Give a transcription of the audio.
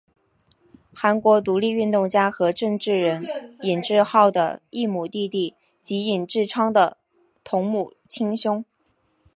韩国独立运动家和政治人尹致昊的异母弟弟及尹致昌的同母亲兄。